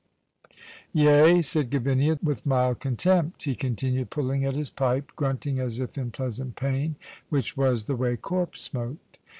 "Yea?" said Gavinia, with mild contempt. He continued pulling at his pipe, grunting as if in pleasant pain, which was the way Corp smoked.